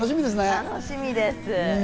楽しみです。